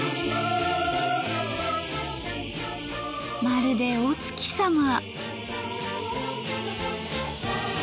まるでお月さま！